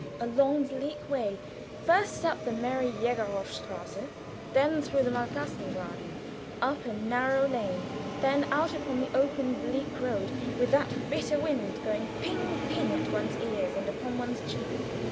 A long, bleak way. First up the merry Jägerhofstrasse, then through the Malkasten garden, up a narrow lane, then out upon the open, bleak road, with that bitter wind going ping ping at one's ears and upon one's cheek.